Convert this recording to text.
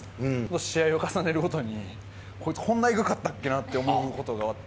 試合を重ねるごとに、こいつ、こんなえぐかったっけなって思うことがあって。